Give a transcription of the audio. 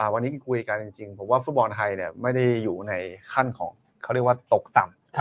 วันนี้คุยกันจริงผมว่าฟุตบอลไทยไม่ได้อยู่ในขั้นของเขาเรียกว่าตกต่ำ